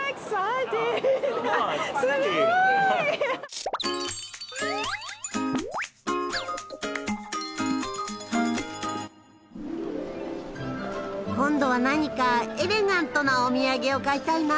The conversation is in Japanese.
すごい！今度は何かエレガントなお土産を買いたいな。